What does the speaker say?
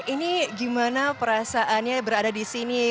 ini gimana perasaannya berada di sini